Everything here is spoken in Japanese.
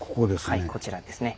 はいこちらですね。